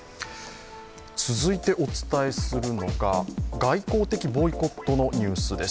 続いてお伝えするのが、外交的ボイコットのニュースです。